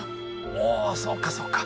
おおそうかそうか。